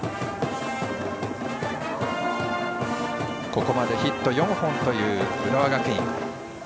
ここまでヒット４本という浦和学院。